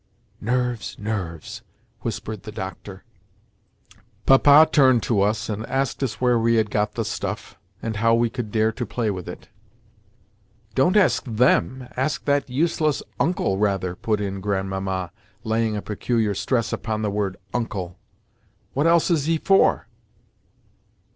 "Nerves, nerves!" whispered the doctor. Papa turned to us and asked us where we had got the stuff, and how we could dare to play with it. "Don't ask them, ask that useless 'Uncle,' rather," put in Grandmamma, laying a peculiar stress upon the word "Uncle." "What else is he for?"